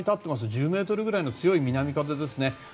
１０メートルくらいの強い南風ですね。